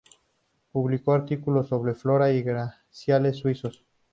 Publicó artículos sobre flora y glaciares suizos.